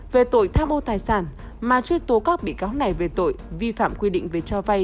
về tội tham ô tài sản mà truy tố các bị cáo này về tội vi phạm quy định về cho vay